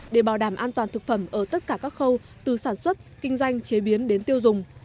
để bảo đảm an toàn thực phẩm ở tất cả các khâu từ sản xuất kinh doanh chế biến đến tiêu dùng